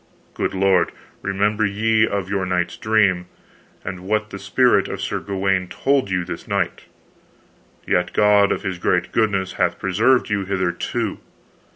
Good lord, remember ye of your night's dream, and what the spirit of Sir Gawaine told you this night, yet God of his great goodness hath preserved you hitherto.